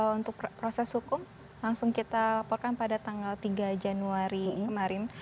untuk proses hukum langsung kita laporkan pada tanggal tiga januari kemarin